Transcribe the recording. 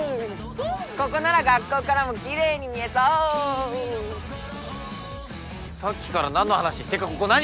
ここなら学校からもきれいに見えそうさっきからなんの話ってかここ何？